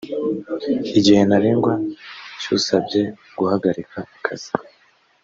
igihe ntarengwa cy’usabye guhagarika akazi